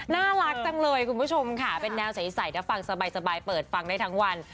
น่ารักจังเลยคุณผู้ชมค่ะเป็นแนวใสถ้าฟังสบายเปิดฟังได้ทั้งวัน